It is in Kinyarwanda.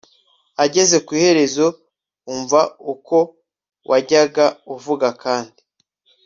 ageze ku iherezo Umva uko wajyaga uvuga kandi